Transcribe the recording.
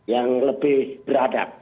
yang lebih beradab